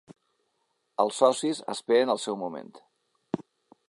Els socis esperen el seu moment.